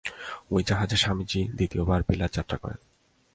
ঐ জাহাজে স্বামীজী দ্বিতীয়বার বিলাত যাত্রা করেন।